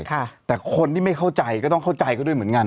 แต่คนที่ไม่เข้าใจก็ต้องเข้าใจเขาด้วยเหมือนกัน